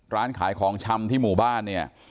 ร้านขายของชำที่หมู่บ้านเนี่ย